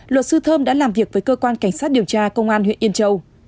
luật sư thơm đã làm việc với cơ quan cảnh sát điều tra công an huyện yên châu